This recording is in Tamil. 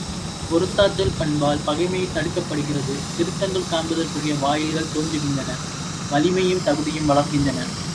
பொறுத்தாற்றல் பண்பால் பகைமை தடுக்கப்படுகிறது திருத்தங்கள் காண்பதற்குரிய வாயில்கள் தோன்றுகின்றன வலிமையும் தகுதியும் வளர்கின்றன.